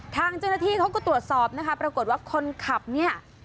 ทางเจ้าหน้าที่เขาก็ตรวจสอบนะคะปรากฏว่าคนขับเนี่ย